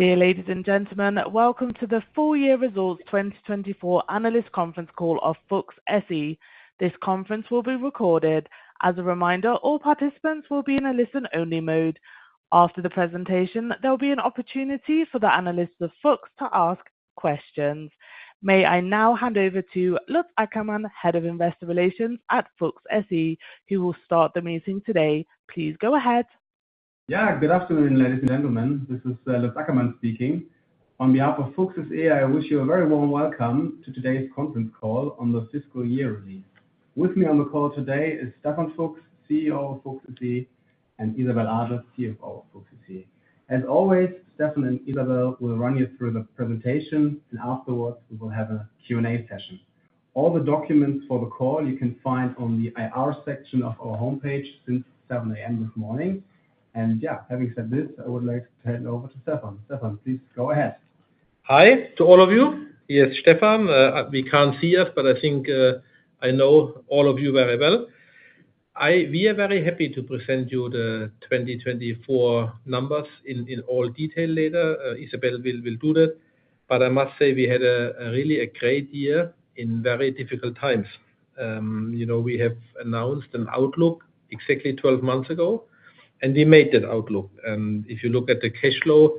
Dear ladies and gentlemen, welcome to the Full Year Results 2024 Analyst Conference Call of Fuchs SE. This conference will be recorded. As a reminder, all participants will be in a listen-only mode. After the presentation, there will be an opportunity for the analysts of Fuchs to ask questions. May I now hand over to Lutz Ackermann, Head of Investor Relations at Fuchs SE, who will start the meeting today. Please go ahead. Yeah, good afternoon, ladies and gentlemen. This is Lutz Ackermann speaking. On behalf of Fuchs SE, I wish you a very warm welcome to today's conference call on the fiscal year release. With me on the call today is Stefan Fuchs, CEO of Fuchs SE, and Isabelle Adelt, CFO of Fuchs SE. As always, Stefan and Isabelle will run you through the presentation, and afterwards we will have a Q&A session. All the documents for the call you can find on the IR section of our homepage since 7:00 A.M. this morning. Having said this, I would like to turn it over to Stefan. Stefan, please go ahead. Hi to all of you. Yes, Stefan, we can't see us, but I think I know all of you very well. We are very happy to present you the 2024 numbers in all detail later. Isabelle will do that. I must say we had a really great year in very difficult times. We have announced an outlook exactly 12 months ago, and we made that outlook. If you look at the cash flow,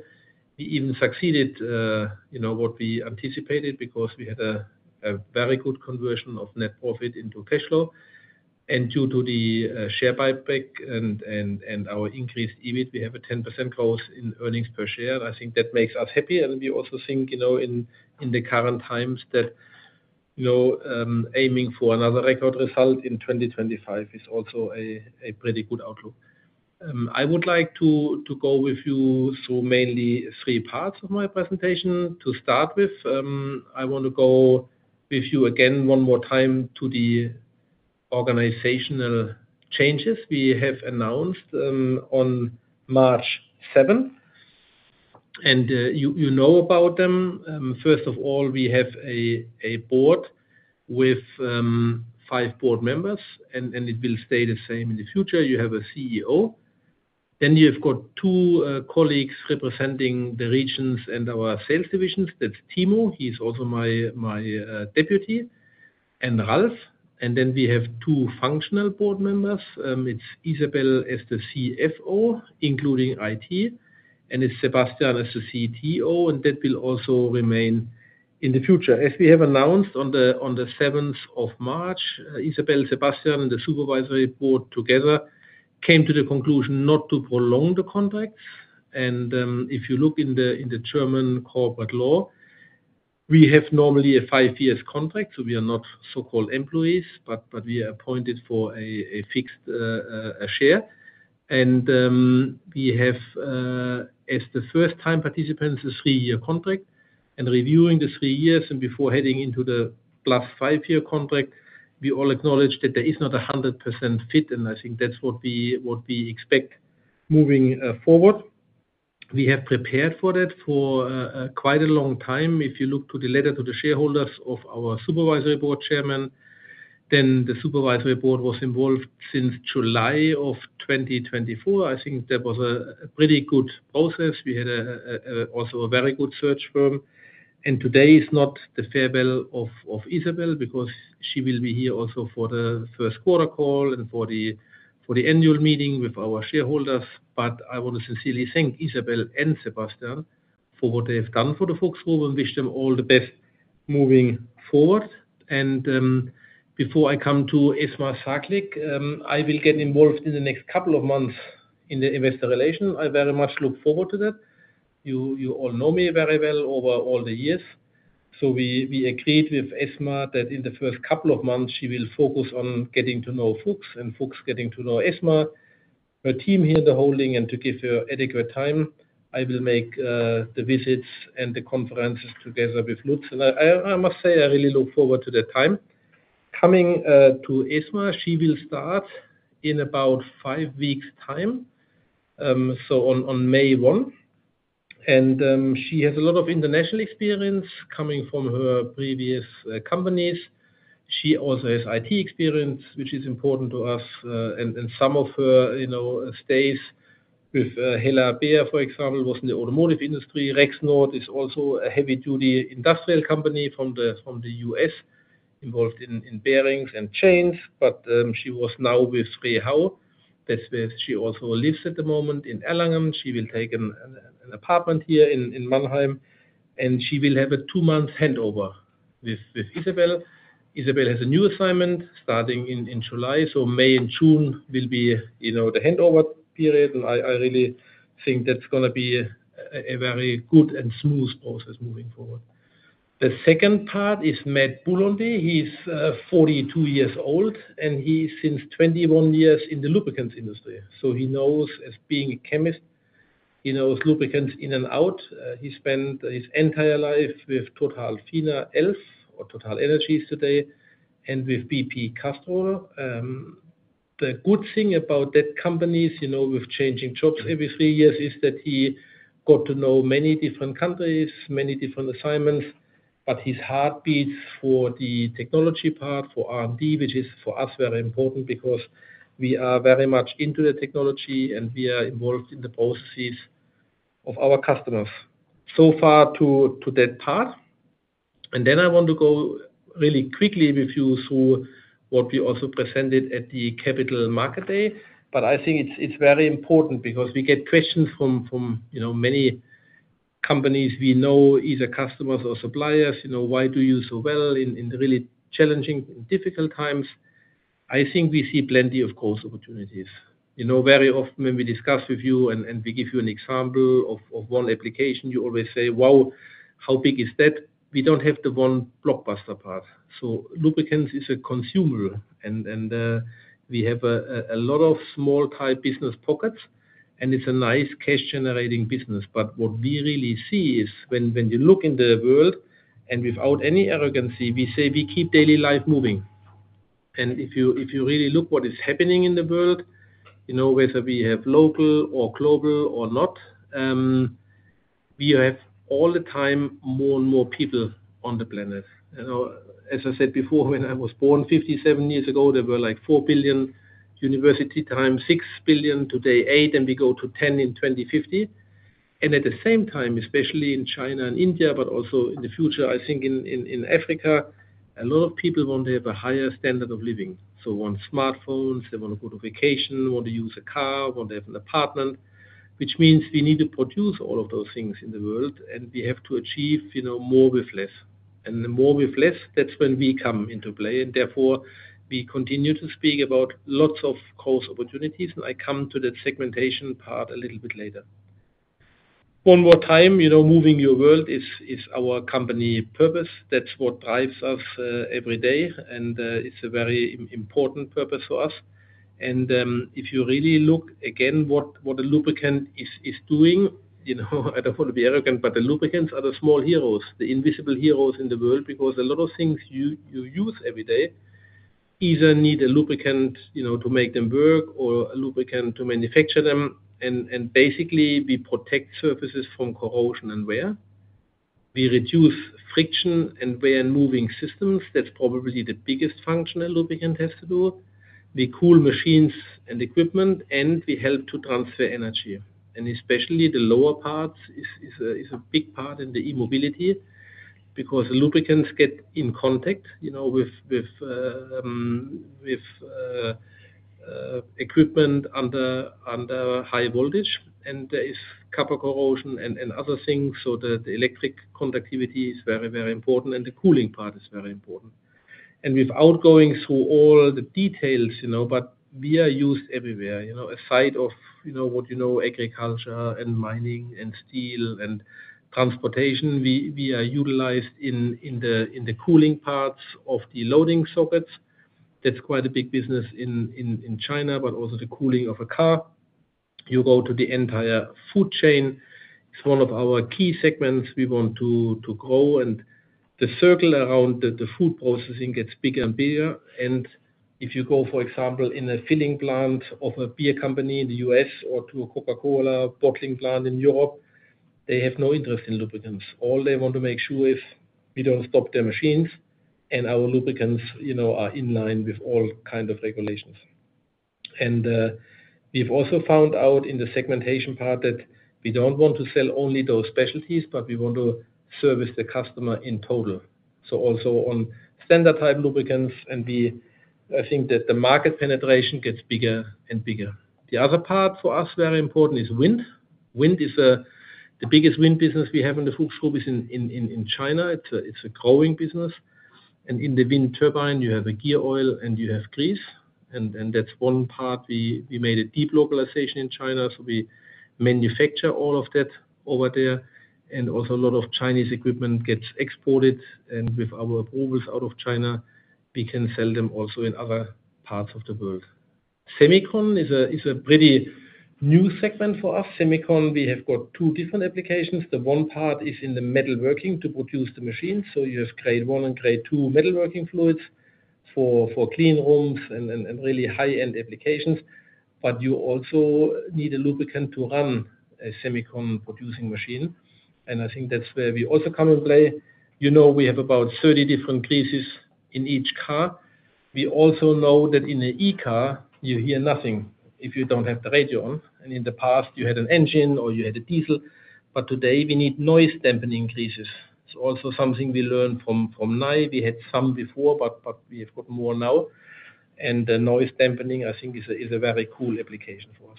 we even succeeded what we anticipated because we had a very good conversion of net profit into cash flow. Due to the share buyback and our increased EBIT, we have a 10% growth in earnings per share. I think that makes us happy. We also think in the current times that aiming for another record result in 2025 is also a pretty good outlook. I would like to go with you through mainly three parts of my presentation to start with. I want to go with you again one more time to the organizational changes we have announced on March seven. You know about them. First of all, we have a board with five board members, and it will stay the same in the future. You have a CEO. You have got two colleagues representing the regions and our sales divisions. That's Timo. He's also my deputy. Then we have two functional board members. It's Isabelle as the CFO, including IT. It's Sebastian as the CTO. That will also remain in the future. As we have announced on the 7th of March, Isabelle, Sebastian, and the supervisory board together came to the conclusion not to prolong the contracts. If you look in the German corporate law, we have normally a five-year contract, so we are not so-called employees, but we are appointed for a fixed share. We have, as the first-time participants, a three-year contract. Reviewing the three years and before heading into the plus five-year contract, we all acknowledge that there is not a 100% fit, and I think that's what we expect moving forward. We have prepared for that for quite a long time. If you look to the letter to the shareholders of our Supervisory Board Chairman, the Supervisory Board was involved since July of 2024. I think that was a pretty good process. We had also a very good search firm. Today is not the farewell of Isabelle because she will be here also for the first quarter call and for the annual meeting with our shareholders. I want to sincerely thank Isabelle and Sebastian for what they have done for the Fuchs Group and wish them all the best moving forward. Before I come to Esma Saglik, I will get involved in the next couple of months in the investor relations. I very much look forward to that. You all know me very well over all the years. We agreed with Esma that in the first couple of months, she will focus on getting to know Fuchs and Fuchs getting to know Esma, her team here in the holding. To give her adequate time, I will make the visits and the conferences together with Lutz. I must say I really look forward to that time. Coming to Esma, she will start in about five weeks' time, on May one. She has a lot of international experience coming from her previous companies. She also has IT experience, which is important to us. Some of her stays with Hella, for example, were in the automotive industry. Rexnord is also a heavy-duty industrial company from the U.S. involved in bearings and chains. She was now with Rehau. That is where she also lives at the moment in Erlangen. She will take an apartment here in Mannheim. She will have a two-month handover with Isabelle. Isabelle has a new assignment starting in July. May and June will be the handover period. I really think that is going to be a very good and smooth process moving forward. The second part is Mathias Wollny. He is 42 years old, and he is since 21 years in the lubricants industry. He knows as being a chemist, he knows lubricants in and out. He spent his entire life with Total Fina Elf or TotalEnergies today and with BP Castrol. The good thing about that company is with changing jobs every three years is that he got to know many different countries, many different assignments. His heartbeat for the technology part, for R&D, which is for us very important because we are very much into the technology and we are involved in the processes of our customers. So far to that part. I want to go really quickly with you through what we also presented at the Capital Market Day. I think it's very important because we get questions from many companies we know, either customers or suppliers. Why do you do so well in really challenging and difficult times? I think we see plenty of growth opportunities. Very often when we discuss with you and we give you an example of one application, you always say, "Wow, how big is that?" We don't have the one blockbuster part. Lubricants is a consumer, and we have a lot of small-type business pockets, and it's a nice cash-generating business. What we really see is when you look in the world and without any arrogance, we say we keep daily life moving. If you really look at what is happening in the world, whether we have local or global or not, we have all the time more and more people on the planet. As I said before, when I was born 57 years ago, there were like 4 billion, university times 6 billion, today 8, and we go to 10 in 2050. At the same time, especially in China and India, but also in the future, I think in Africa, a lot of people want to have a higher standard of living. They want smartphones, they want to go to vacation, want to use a car, want to have an apartment, which means we need to produce all of those things in the world, and we have to achieve more with less. The more with less, that's when we come into play. Therefore, we continue to speak about lots of growth opportunities. I come to that segmentation part a little bit later. One more time, moving your world is our company purpose. That's what drives us every day, and it's a very important purpose for us. If you really look again at what a lubricant is doing, I don't want to be arrogant, but the lubricants are the small heroes, the invisible heroes in the world because a lot of things you use every day either need a lubricant to make them work or a lubricant to manufacture them. Basically, we protect surfaces from corrosion and wear. We reduce friction and wear-moving systems. That's probably the biggest function a lubricant has to do. We cool machines and equipment, and we help to transfer energy. Especially the lower parts is a big part in the e-mobility because the lubricants get in contact with equipment under high voltage, and there is copper corrosion and other things. The electric conductivity is very, very important, and the cooling part is very important. Without going through all the details, we are used everywhere. Aside of what you know, agriculture and mining and steel and transportation, we are utilized in the cooling parts of the loading sockets. That's quite a big business in China, but also the cooling of a car. You go to the entire food chain. It's one of our key segments we want to grow. The circle around the food processing gets bigger and bigger. If you go, for example, in a filling plant of a beer company in the U.S. or to a Coca-Cola bottling plant in Europe, they have no interest in lubricants. All they want to make sure is we don't stop their machines and our lubricants are in line with all kinds of regulations. We've also found out in the segmentation part that we don't want to sell only those specialties, but we want to service the customer in total. Also on standard-type lubricants, I think that the market penetration gets bigger and bigger. The other part for us, very important, is wind. Wind is the biggest wind business we have in the Fuchs Group in China. It is a growing business. In the wind turbine, you have a gear oil and you have grease. That is one part where we made a deep localization in China. We manufacture all of that over there. Also, a lot of Chinese equipment gets exported. With our approvals out of China, we can sell them also in other parts of the world. Semicon is a pretty new segment for us. Semicon, we have got two different applications. One part is in the metalworking to produce the machines. You have grade one and grade two metalworking fluids for clean rooms and really high-end applications. You also need a lubricant to run a Semicon-producing machine. I think that's where we also come in play. You know we have about 30 different greases in each car. We also know that in an e-car you hear nothing if you don't have the radio on. In the past, you had an engine or you had a diesel. Today we need noise-dampening greases. It's also something we learned from Nye. We had some before, but we have got more now. The noise dampening, I think, is a very cool application for us.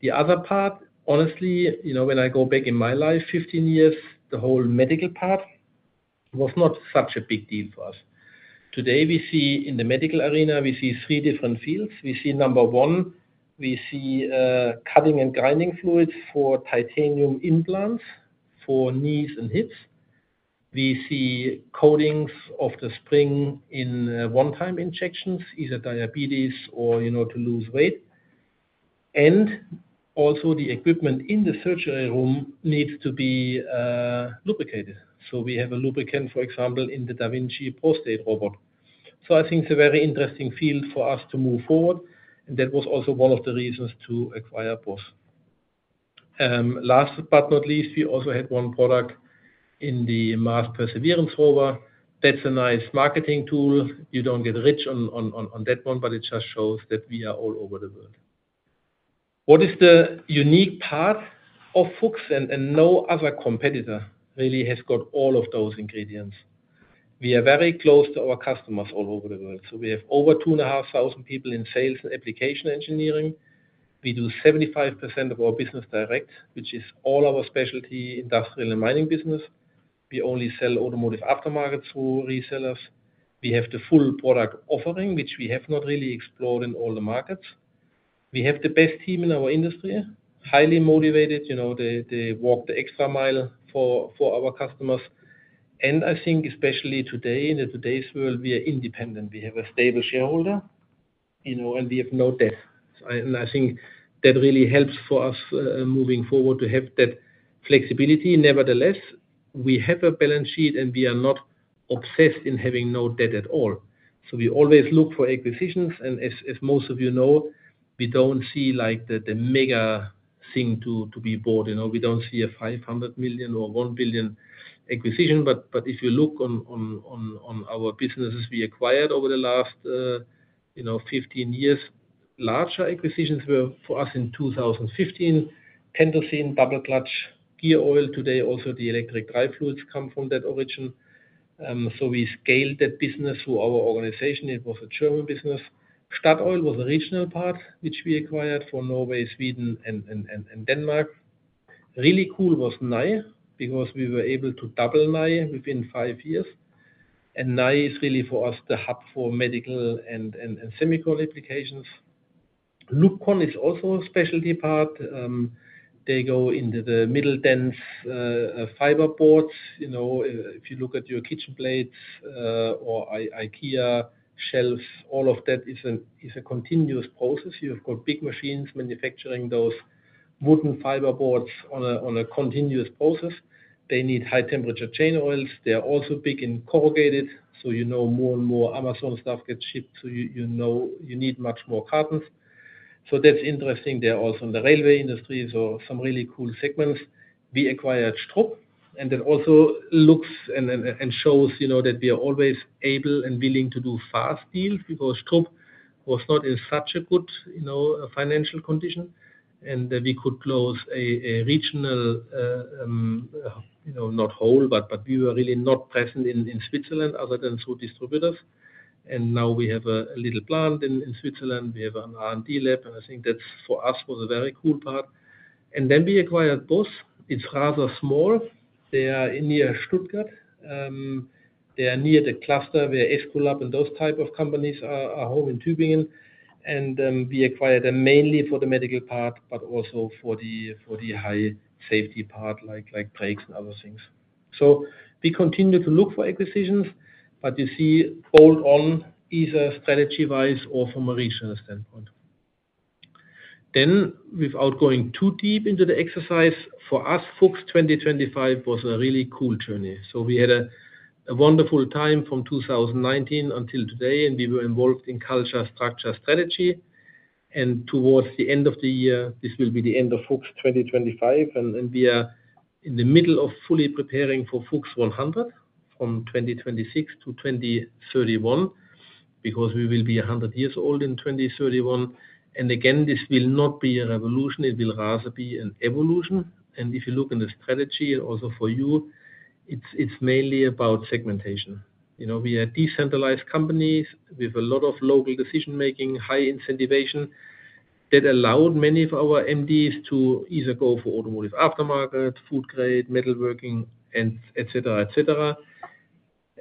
The other part, honestly, when I go back in my life, 15 years, the whole medical part was not such a big deal for us. Today we see in the medical arena, we see three different fields. We see, number one, we see cutting and grinding fluids for titanium implants for knees and hips. We see coatings of the spring in one-time injections, either diabetes or to lose weight. Also, the equipment in the surgery room needs to be lubricated. We have a lubricant, for example, in the Da Vinci prostate robot. I think it's a very interesting field for us to move forward. That was also one of the reasons to acquire Bausch. Last but not least, we also had one product in the Mars Perseverance rover. That's a nice marketing tool. You don't get rich on that one, but it just shows that we are all over the world. What is the unique part of Fuchs? No other competitor really has got all of those ingredients. We are very close to our customers all over the world. We have over 2,500 people in sales and application engineering. We do 75% of our business direct, which is all our specialty industrial and mining business. We only sell automotive aftermarkets through resellers. We have the full product offering, which we have not really explored in all the markets. We have the best team in our industry, highly motivated. They walk the extra mile for our customers. I think especially today, in today's world, we are independent. We have a stable shareholder, and we have no debt. I think that really helps for us moving forward to have that flexibility. Nevertheless, we have a balance sheet, and we are not obsessed in having no debt at all. We always look for acquisitions. As most of you know, we do not see the mega thing to be bought. We don't see a 500 million or 1 billion acquisition. If you look on our businesses we acquired over the last 15 years, larger acquisitions were for us in 2015, Pentosin, Double Clutch, Gear Oil. Today, also the electric drive fluids come from that origin. We scaled that business through our organization. It was a German business. Statoil was a regional part, which we acquired for Norway, Sweden, and Denmark. Really cool was Nye because we were able to double Nye within five years. Nye is really for us the hub for medical and semiconductor applications. LUBCON is also a specialty part. They go into the medium-density fiber boards. If you look at your kitchen plates or IKEA shelves, all of that is a continuous process. You have got big machines manufacturing those wooden fiber boards on a continuous process. They need high-temperature chain oils. They are also big in corrugated. You know, more and more Amazon stuff gets shipped, so you need much more cartons. That is interesting. They are also in the railway industry, so some really cool segments. We acquired Strub, and that also looks and shows that we are always able and willing to do fast deals because Strub was not in such a good financial condition. We could close a regional, not whole, but we were really not present in Switzerland other than through distributors. Now we have a little plant in Switzerland. We have an R&D lab, and I think that for us was a very cool part. Then we acquired Bausch. It is rather small. They are near Stuttgart. They are near the cluster where Aesculap and those type of companies are home in Tübingen. We acquired them mainly for the medical part, but also for the high-safety part like brakes and other things. We continue to look for acquisitions, but you see bolt-on either strategy-wise or from a regional standpoint. Without going too deep into the exercise, for us, Fuchs 2025 was a really cool journey. We had a wonderful time from 2019 until today, and we were involved in culture, structure, strategy. Towards the end of the year, this will be the end of Fuchs 2025. We are in the middle of fully preparing for FuchsOne or FUCHS 2025 from 2026 to 2031 because we will be 100 years old in 2031. This will not be a revolution. It will rather be an evolution. If you look in the strategy, also for you, it's mainly about segmentation. We are decentralized companies with a lot of local decision-making, high incentivation that allowed many of our MDs to either go for automotive aftermarket, food grade, metalworking, etc.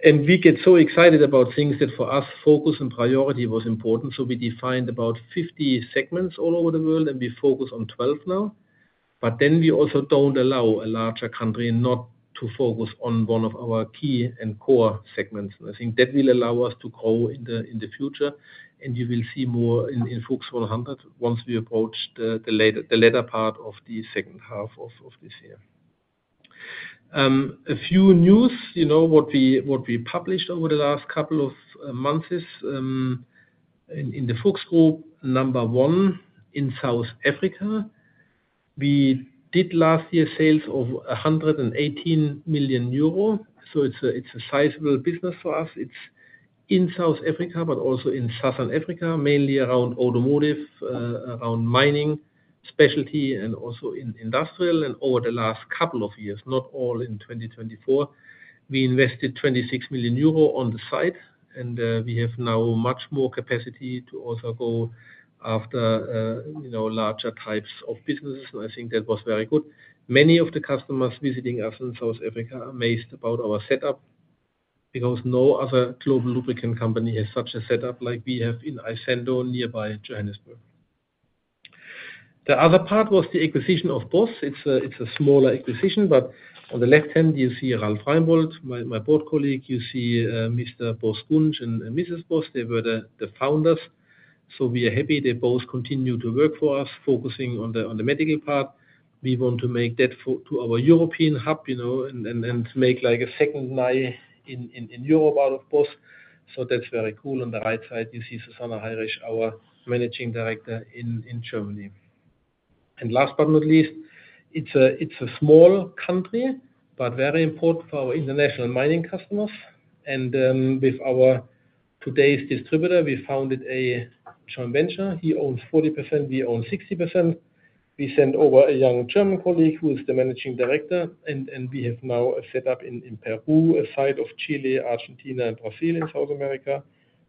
We get so excited about things that for us, focus and priority was important. We defined about 50 segments all over the world, and we focus on 12 now. We also do not allow a larger country not to focus on one of our key and core segments. I think that will allow us to grow in the future. You will see more in FuchsOne or FUCHS 2025 once we approach the latter part of the second half of this year. A few news. What we published over the last couple of months is in the Fuchs Group, number one in South Africa. We did last year sales of 118 million euro. It is a sizable business for us. It is in South Africa, but also in Southern Africa, mainly around automotive, around mining, specialty, and also in industrial. Over the last couple of years, not all in 2024, we invested 26 million euro on the site. We have now much more capacity to also go after larger types of businesses. I think that was very good. Many of the customers visiting us in South Africa are amazed about our setup because no other global lubricant company has such a setup like we have in Isando, nearby Johannesburg. The other part was the acquisition of Bausch. It is a smaller acquisition, but on the left hand, you see Ralph Rheinboldt, my board colleague. You see Mr. Bausch and Mrs. Bausch. They were the founders. We are happy they both continue to work for us, focusing on the medical part. We want to make that to our European hub and make like a second Nye in Europe out of Bausch. That is very cool. On the right side, you see Susanne Heinrich, our Managing Director in Germany. Last but not least, it is a small country, but very important for our international mining customers. With our today's distributor, we founded a joint venture. He owns 40%. We own 60%. We sent over a young German colleague who is the Managing Director. We have now a setup in Peru, aside from Chile, Argentina, and Brazil in South America.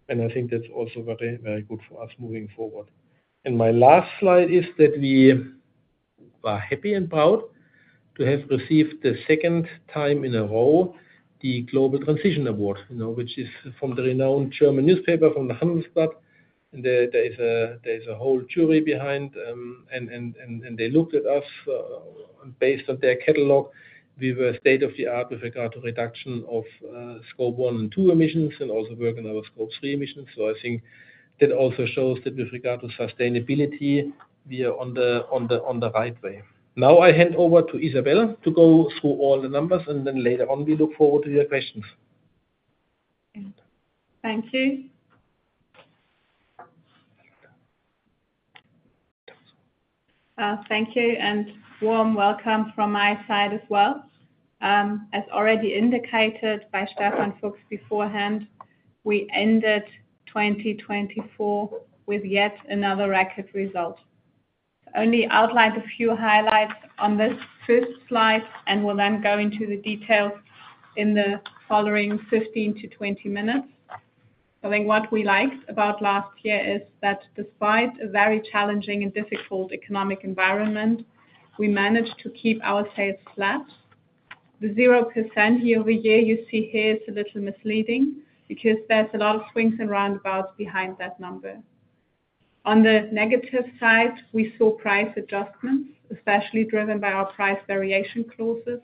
I think that is also very, very good for us moving forward. My last slide is that we are happy and proud to have received for the second time in a row the Global Transition Award, which is from the renowned German newspaper, from the Handelsblatt. There is a whole jury behind. They looked at us based on their catalog. We were state-of-the-art with regard to reduction of scope one and two emissions and also work on our scope three emissions. I think that also shows that with regard to sustainability, we are on the right way. I hand over to Isabelle to go through all the numbers, and later on, we look forward to your questions. Thank you. Thank you. A warm welcome from my side as well. As already indicated by Stefan Fuchs beforehand, we ended 2024 with yet another record result. I'll only outline a few highlights on this first slide, and we'll then go into the details in the following 15 to 20 minutes. I think what we liked about last year is that despite a very challenging and difficult economic environment, we managed to keep our sales flat. The 0% year-over-year you see here is a little misleading because there's a lot of swings and roundabouts behind that number. On the negative side, we saw price adjustments, especially driven by our price variation clauses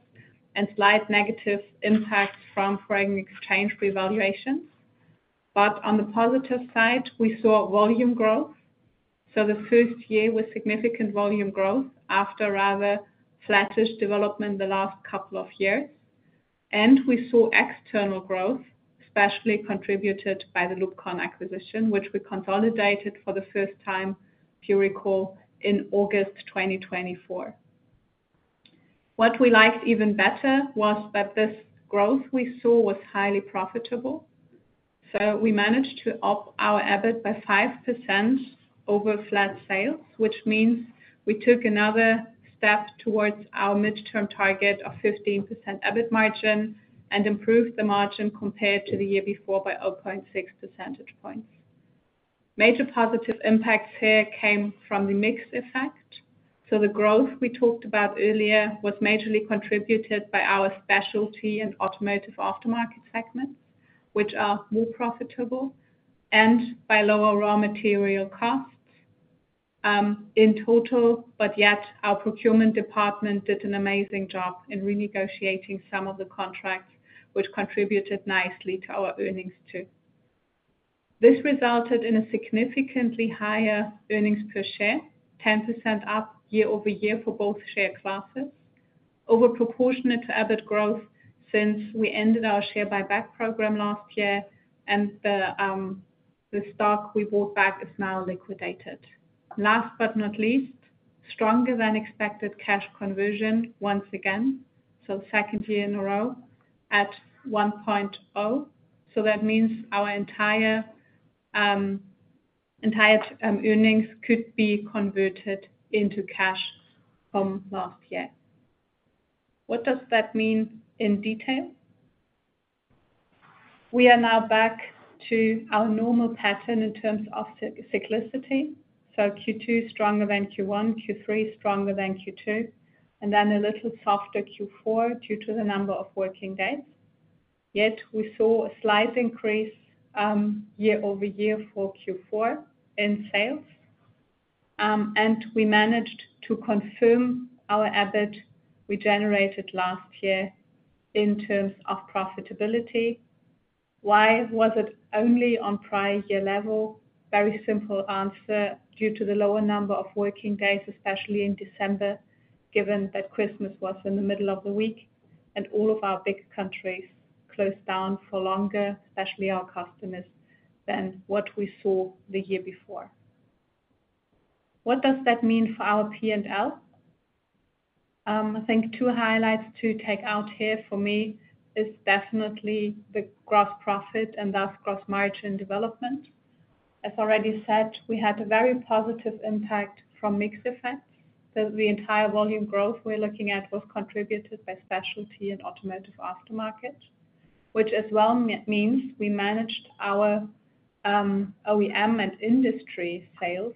and slight negative impact from foreign exchange revaluations. On the positive side, we saw volume growth. The first year with significant volume growth after rather flattish development the last couple of years. We saw external growth, especially contributed by the LUBCON acquisition, which we consolidated for the first time, if you recall, in August 2024. What we liked even better was that this growth we saw was highly profitable. We managed to up our EBIT by 5% over flat sales, which means we took another step towards our midterm target of 15% EBIT margin and improved the margin compared to the year before by 0.6 percentage points. Major positive impacts here came from the mix effect. The growth we talked about earlier was majorly contributed by our specialty and automotive aftermarket segments, which are more profitable, and by lower raw material costs in total. Yet, our procurement department did an amazing job in renegotiating some of the contracts, which contributed nicely to our earnings too. This resulted in a significantly higher earnings per share, 10% up year-over-year for both share classes, overproportionate to EBIT growth since we ended our share buyback program last year. The stock we bought back is now liquidated. Last but not least, stronger than expected cash conversion once again, so second year in a row at 1.0. That means our entire earnings could be converted into cash from last year. What does that mean in detail? We are now back to our normal pattern in terms of cyclicity. Q2 stronger than Q1, Q3 stronger than Q2, and then a little softer Q4 due to the number of working days. Yet, we saw a slight increase year-over-year for Q4 in sales. We managed to confirm our EBIT we generated last year in terms of profitability. Why was it only on prior year level? Very simple answer. Due to the lower number of working days, especially in December, given that Christmas was in the middle of the week and all of our big countries closed down for longer, especially our customers, than what we saw the year before. What does that mean for our P&L? I think two highlights to take out here for me is definitely the gross profit and thus gross margin development. As already said, we had a very positive impact from mixed effects. The entire volume growth we're looking at was contributed by specialty and automotive aftermarket, which as well means we managed our OEM and industry sales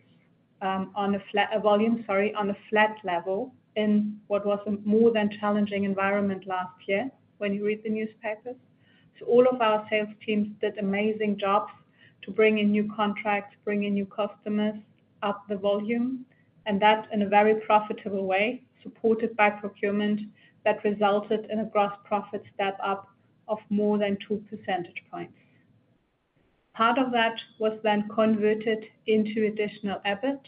on a volume, sorry, on a flat level in what was a more than challenging environment last year when you read the newspapers. All of our sales teams did amazing jobs to bring in new contracts, bring in new customers, up the volume, and that in a very profitable way, supported by procurement that resulted in a gross profit step up of more than 2 percentage points. Part of that was then converted into additional EBIT,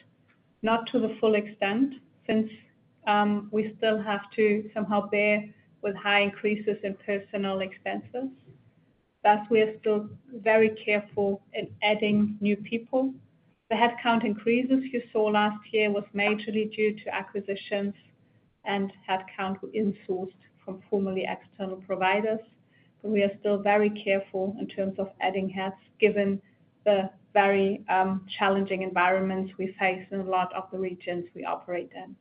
not to the full extent since we still have to somehow bear with high increases in personnel expenses. Thus, we are still very careful in adding new people. The headcount increases you saw last year were majorly due to acquisitions and headcount insourced from formerly external providers. We are still very careful in terms of adding heads given the very challenging environments we face in a lot of the regions we operate in.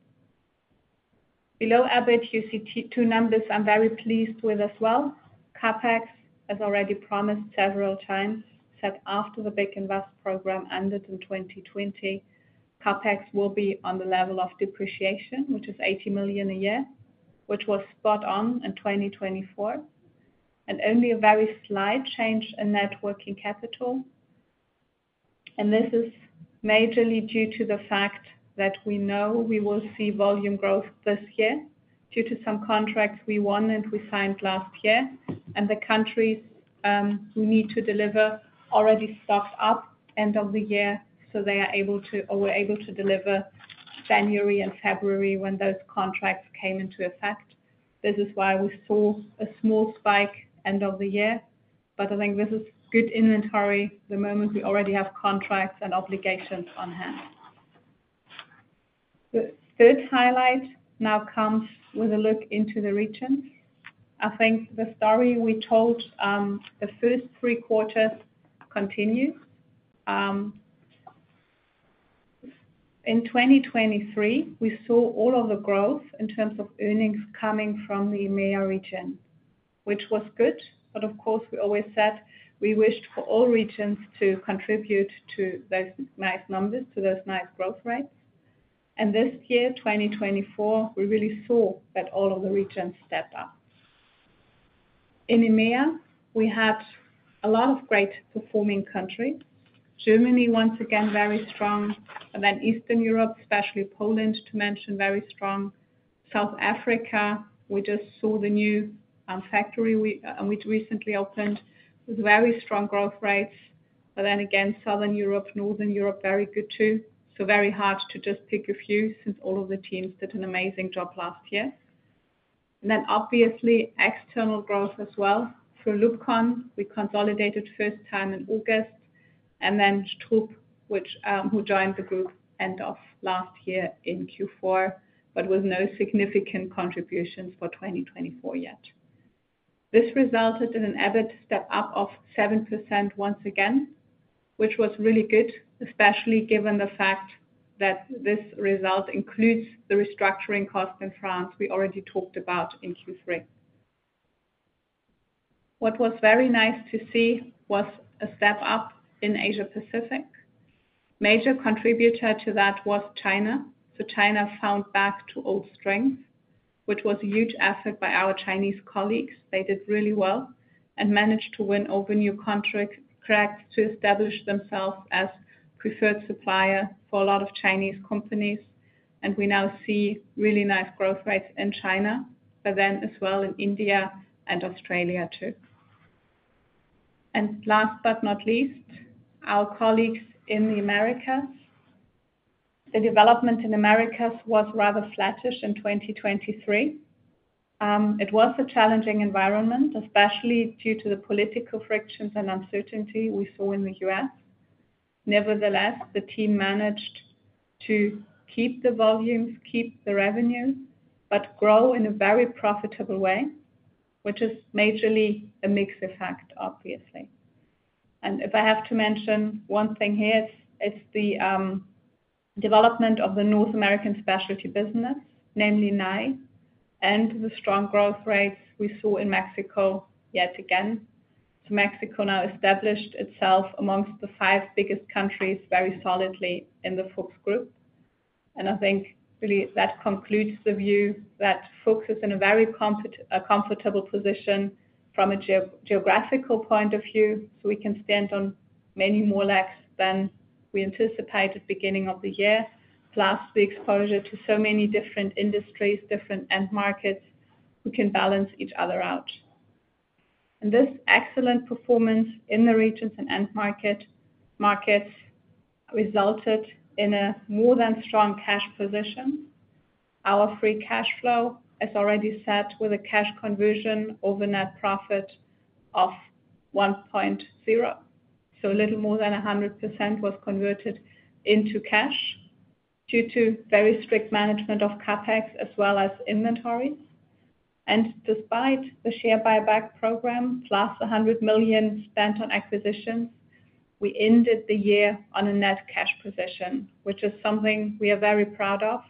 Below EBIT, you see two numbers I'm very pleased with as well. Capex, as already promised several times, said after the big invest program ended in 2020, Capex will be on the level of depreciation, which is 80 million a year, which was spot on in 2024. Only a very slight change in net working capital. This is majorly due to the fact that we know we will see volume growth this year due to some contracts we won and we signed last year. The countries we need to deliver already stocked up end of the year, so they are able to or were able to deliver January and February when those contracts came into effect. This is why we saw a small spike end of the year. I think this is good inventory the moment we already have contracts and obligations on hand. The third highlight now comes with a look into the regions. I think the story we told the first three quarters continues. In 2023, we saw all of the growth in terms of earnings coming from the EMEA region, which was good. Of course, we always said we wished for all regions to contribute to those nice numbers, to those nice growth rates. This year, 2024, we really saw that all of the regions stepped up. In EMEA, we had a lot of great performing countries. Germany, once again, very strong. Eastern Europe, especially Poland, to mention, very strong. South Africa, we just saw the new factory we recently opened with very strong growth rates. Southern Europe, Northern Europe, very good too. It is very hard to just pick a few since all of the teams did an amazing job last year. Obviously, external growth as well. For LUBCON, we consolidated first time in August. Then Strub, who joined the group end of last year in Q4, but with no significant contributions for 2024 yet. This resulted in an EBIT step up of 7% once again, which was really good, especially given the fact that this result includes the restructuring cost in France we already talked about in Q3. What was very nice to see was a step up in Asia-Pacific. Major contributor to that was China. China found back to old strength, which was a huge effort by our Chinese colleagues. They did really well and managed to win over new contracts to establish themselves as preferred supplier for a lot of Chinese companies. We now see really nice growth rates in China, but as well in India and Australia too. Last but not least, our colleagues in the Americas. The development in the Americas was rather flattish in 2023. It was a challenging environment, especially due to the political frictions and uncertainty we saw in the U.S. Nevertheless, the team managed to keep the volumes, keep the revenue, but grow in a very profitable way, which is majorly a mixed effect, obviously. If I have to mention one thing here, it's the development of the North American specialty business, namely Nye, and the strong growth rates we saw in Mexico yet again. Mexico now established itself amongst the five biggest countries very solidly in the Fuchs Group. I think really that concludes the view that Fuchs is in a very comfortable position from a geographical point of view. We can stand on many more legs than we anticipated beginning of the year, plus the exposure to so many different industries, different end markets who can balance each other out. This excellent performance in the regions and end markets resulted in a more than strong cash position. Our free cash flow, as already said, with a cash conversion over net profit of 1.0. A little more than 100% was converted into cash due to very strict management of CapEx as well as inventory. Despite the share buyback program, plus 100 million spent on acquisitions, we ended the year on a net cash position, which is something we are very proud of.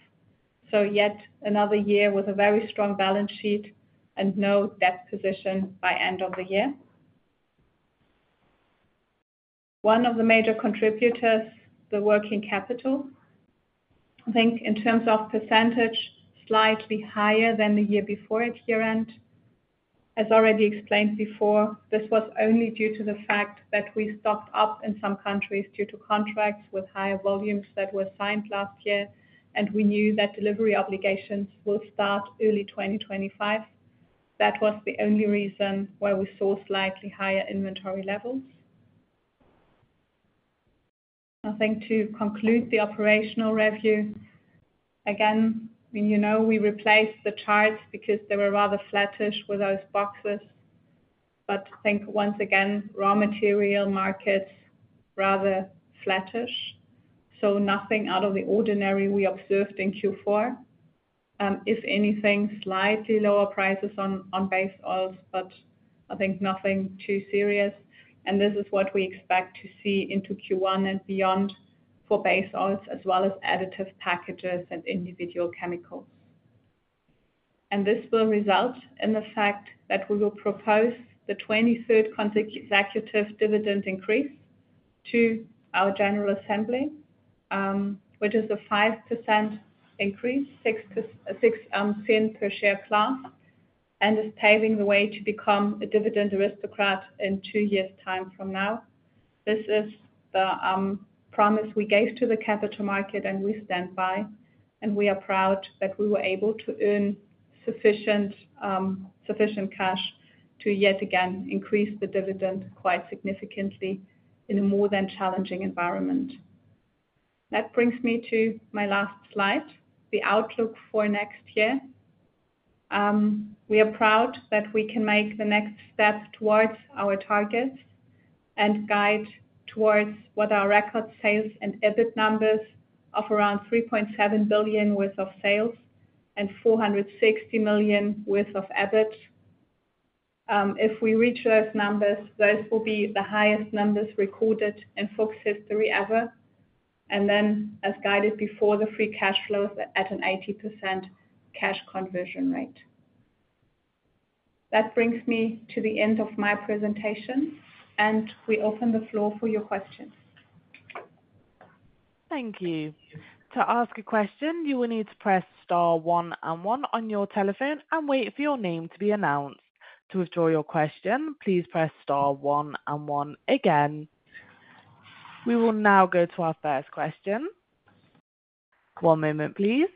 Yet another year with a very strong balance sheet and no debt position by end of the year. One of the major contributors, the working capital, I think in terms of percentage, slightly higher than the year before at year-end. As already explained before, this was only due to the fact that we stocked up in some countries due to contracts with higher volumes that were signed last year, and we knew that delivery obligations will start early 2025. That was the only reason why we saw slightly higher inventory levels. I think to conclude the operational review, again, we replaced the charts because they were rather flattish with those boxes. I think once again, raw material markets rather flattish. Nothing out of the ordinary we observed in Q4. If anything, slightly lower prices on base oils, I think nothing too serious. This is what we expect to see into Q1 and beyond for base oils as well as additive packages and individual chemicals. This will result in the fact that we will propose the 23rd consecutive dividend increase to our general assembly, which is a 5% increase, 6% per share class, and is paving the way to become a dividend aristocrat in two years' time from now. This is the promise we gave to the capital market, and we stand by. We are proud that we were able to earn sufficient cash to yet again increase the dividend quite significantly in a more than challenging environment. That brings me to my last slide, the outlook for next year. We are proud that we can make the next step towards our targets and guide towards what are record sales and EBIT numbers of around 3.7 billion worth of sales and 460 million worth of EBIT. If we reach those numbers, those will be the highest numbers recorded in Fuchs history ever. As guided before, the free cash flows are at an 80% cash conversion rate. That brings me to the end of my presentation, and we open the floor for your questions. Thank you. To ask a question, you will need to press star one and one on your telephone and wait for your name to be announced. To withdraw your question, please press star one and one again. We will now go to our first question. One moment, please.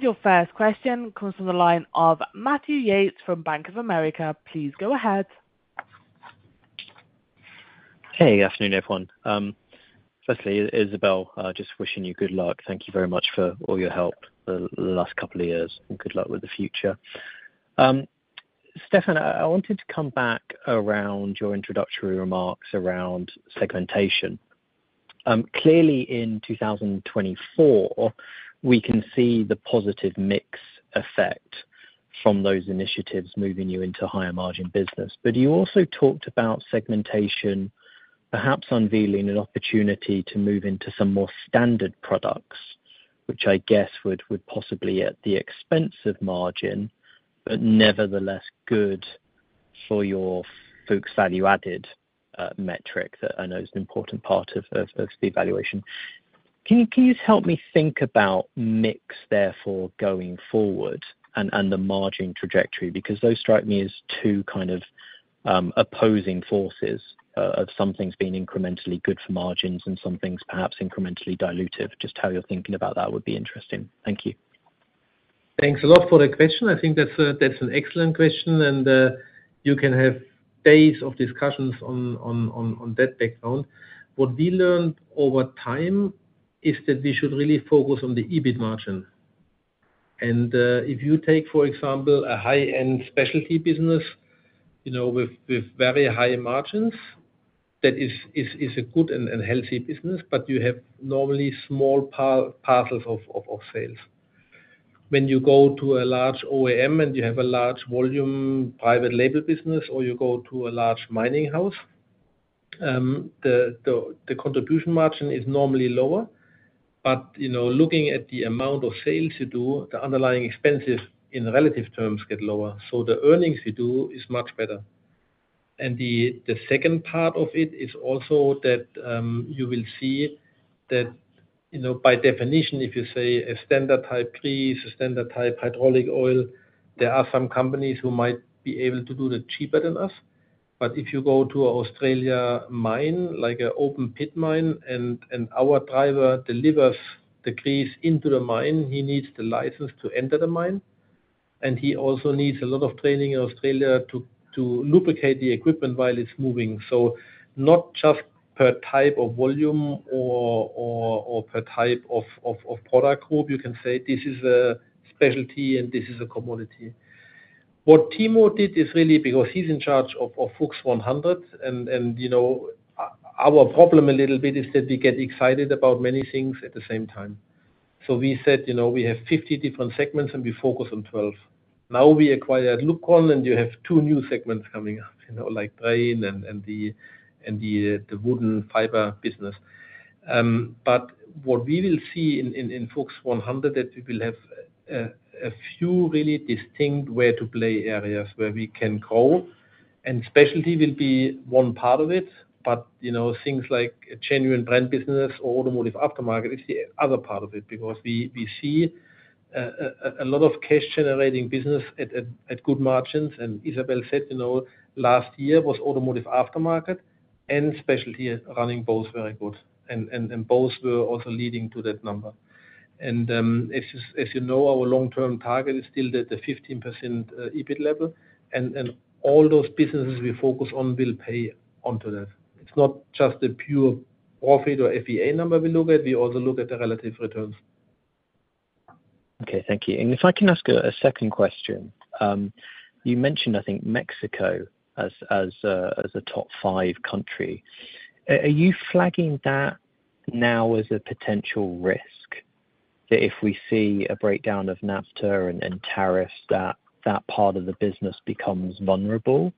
Your first question comes from the line of Matthew Yates from Bank of America. Please go ahead. Hey, good afternoon, everyone. Firstly, Isabelle, just wishing you good luck. Thank you very much for all your help the last couple of years, and good luck with the future. Stefan, I wanted to come back around your introductory remarks around segmentation. Clearly, in 2024, we can see the positive mix effect from those initiatives moving you into higher margin business. You also talked about segmentation, perhaps unveiling an opportunity to move into some more standard products, which I guess would possibly be at the expense of margin, but nevertheless good for your Fuchs value-added metric that I know is an important part of the evaluation. Can you help me think about mix, therefore, going forward and the margin trajectory? Because those strike me as two kind of opposing forces of some things being incrementally good for margins and some things perhaps incrementally dilutive. Just how you're thinking about that would be interesting. Thank you. Thanks a lot for the question. I think that's an excellent question, and you can have days of discussions on that background. What we learned over time is that we should really focus on the EBIT margin. If you take, for example, a high-end specialty business with very high margins, that is a good and healthy business, but you have normally small parcels of sales. When you go to a large OEM and you have a large volume private label business, or you go to a large mining house, the contribution margin is normally lower. Looking at the amount of sales you do, the underlying expenses in relative terms get lower. The earnings you do is much better. The second part of it is also that you will see that by definition, if you say a standard type grease, a standard type hydraulic oil, there are some companies who might be able to do it cheaper than us. If you go to an Australian mine, like an open pit mine, and our driver delivers the grease into the mine, he needs the license to enter the mine. He also needs a lot of training in Australia to lubricate the equipment while it's moving. Not just per type of volume or per type of product group, you can say this is a specialty and this is a commodity. What Timo did is really because he's in charge of FuchsOne or FUCHS 2025. Our problem a little bit is that we get excited about many things at the same time. We said we have 50 different segments and we focus on 12. Now we acquired LUBCON, and you have two new segments coming up, like drain and the wooden fiber business. What we will see in FuchsOne or FUCHS 2025 is that we will have a few really distinct where-to-play areas where we can grow. Specialty will be one part of it, but things like a genuine brand business or automotive aftermarket is the other part of it because we see a lot of cash-generating business at good margins. Isabelle said last year was automotive aftermarket and specialty running both very good, and both were also leading to that number. As you know, our long-term target is still the 15% EBIT level. All those businesses we focus on will pay onto that. It's not just the pure profit or FVA number we look at. We also look at the relative returns. Okay, thank you. If I can ask a second question, you mentioned, I think, Mexico as a top five country. Are you flagging that now as a potential risk that if we see a breakdown of NAFTA and tariffs, that part of the business becomes vulnerable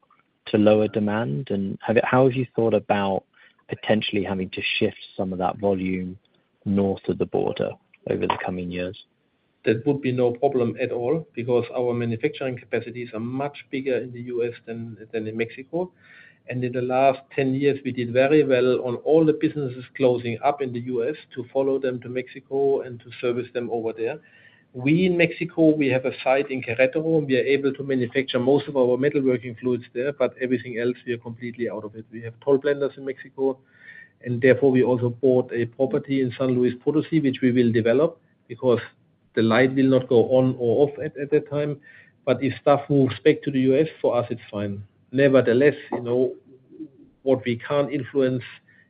to lower demand? How have you thought about potentially having to shift some of that volume north of the border over the coming years? That would be no problem at all because our manufacturing capacities are much bigger in the U.S. than in Mexico. In the last 10 years, we did very well on all the businesses closing up in the U.S. to follow them to Mexico and to service them over there. In Mexico, we have a site in Querétaro, and we are able to manufacture most of our metalworking fluids there, but everything else, we are completely out of it. We have toll blenders in Mexico, and therefore we also bought a property in San Luis Potosí, which we will develop because the light will not go on or off at that time. If stuff moves back to the U.S., for us, it's fine. Nevertheless, what we can't influence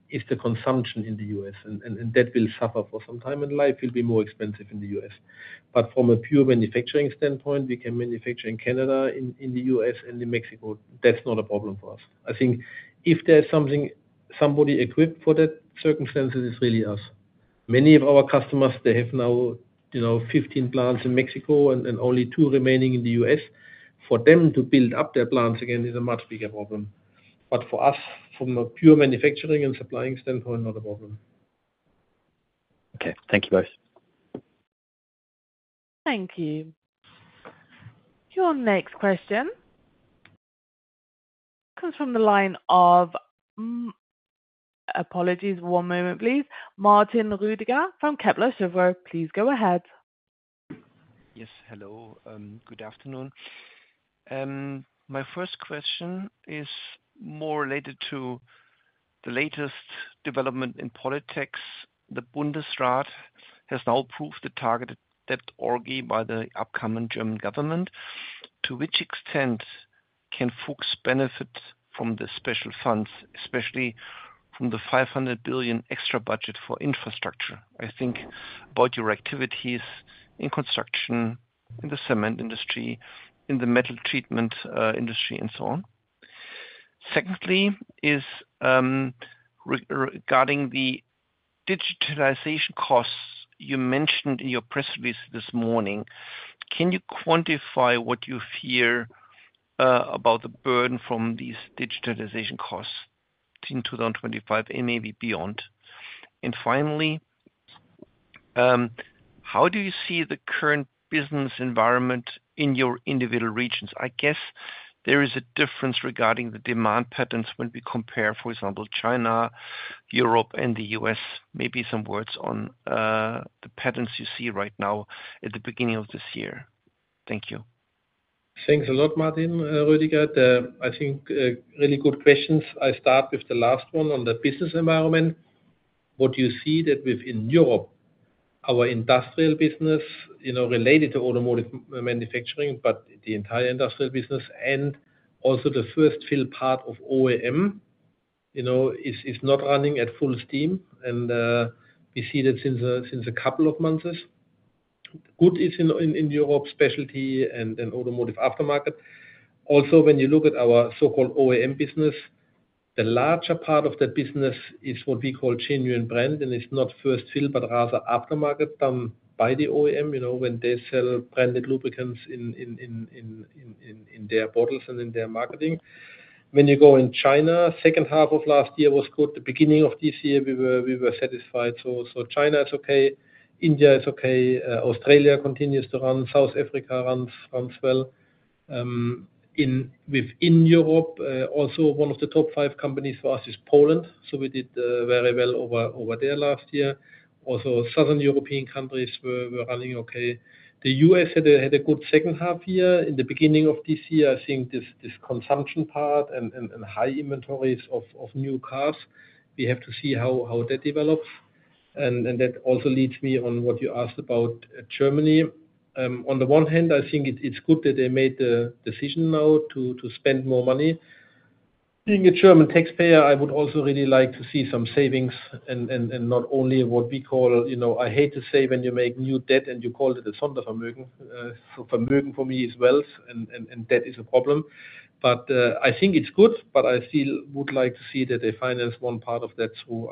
is the consumption in the U.S., and that will suffer for some time, and life will be more expensive in the U.S. From a pure manufacturing standpoint, we can manufacture in Canada, in the U.S., and in Mexico. That's not a problem for us. I think if there's something somebody equipped for that circumstance, it's really us. Many of our customers, they have now 15 plants in Mexico and only two remaining in the U.S. For them to build up their plants again is a much bigger problem. But for us, from a pure manufacturing and supplying standpoint, not a problem. Okay, thank you both. Thank you. Your next question comes from the line of, apologies, one moment, please, Martin Roediger from Kepler Cheuvreux. Please go ahead. Yes, hello. Good afternoon. My first question is more related to the latest development in politics. The Bundesrat has now approved the targeted debt orgy by the upcoming German government. To which extent can Fuchs benefit from the special funds, especially from the 500 billion extra budget for infrastructure? I think about your activities in construction, in the cement industry, in the metal treatment industry, and so on. Secondly, regarding the digitalization costs you mentioned in your press release this morning, can you quantify what you fear about the burden from these digitalization costs in 2025 and maybe beyond? Finally, how do you see the current business environment in your individual regions? I guess there is a difference regarding the demand patterns when we compare, for example, China, Europe, and the U.S. Maybe some words on the patterns you see right now at the beginning of this year. Thank you. Thanks a lot, Martin Roediger. I think really good questions. I start with the last one on the business environment. What do you see that within Europe, our industrial business related to automotive manufacturing, but the entire industrial business and also the first fill part of OEM is not running at full steam, and we see that since a couple of months. Good is in Europe specialty and automotive aftermarket. Also, when you look at our so-called OEM business, the larger part of that business is what we call genuine brand, and it's not first fill, but rather aftermarket done by the OEM when they sell branded lubricants in their bottles and in their marketing. When you go in China, second half of last year was good. The beginning of this year, we were satisfied. China is okay. India is okay. Australia continues to run. South Africa runs well. Within Europe, also one of the top five companies for us is Poland. We did very well over there last year. Also, southern European countries were running okay. The U.S. had a good second half year. In the beginning of this year, I think this consumption part and high inventories of new cars, we have to see how that develops. That also leads me on what you asked about Germany. On the one hand, I think it's good that they made the decision now to spend more money. Being a German taxpayer, I would also really like to see some savings and not only what we call—I hate to say when you make new debt and you call it a Sondervermögen. Vermögen for me is wealth, and debt is a problem. I think it's good, but I still would like to see that they finance one part of that through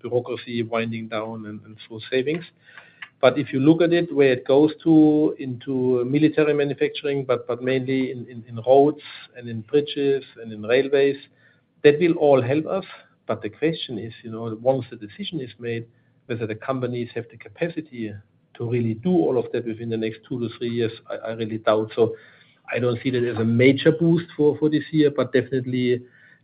bureaucracy winding down and through savings. If you look at it, where it goes to into military manufacturing, but mainly in roads and in bridges and in railways, that will all help us. The question is, once the decision is made, whether the companies have the capacity to really do all of that within the next two to three years, I really doubt. I do not see that as a major boost for this year, but definitely